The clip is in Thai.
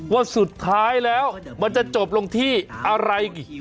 ว่าสุดท้ายแล้วมันจะจบลงที่อะไร